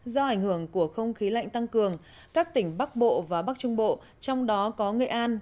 do ảnh hưởng của không khí lạnh tăng cường các tỉnh bắc bộ và bắc trung bộ trong đó có nghệ an